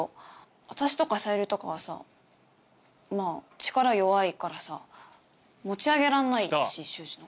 私とかさゆりとかはさまぁ力弱いからさ持ち上げらんないし秀司のこと。